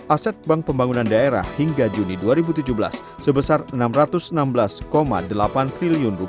aset bank pembangunan daerah hingga juni dua ribu tujuh belas sebesar rp enam ratus enam belas delapan triliun